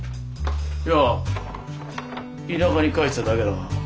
いや田舎に帰ってただけだが。